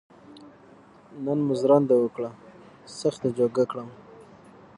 نن مو ژرنده وکړه سخت یې جوکه کړم.